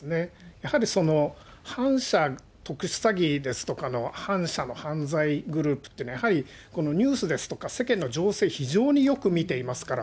やはり反社、特殊詐欺ですとかの反社の犯罪グループっていうのは、やはりニュースですとか、世間の情勢、非常によく見ていますから。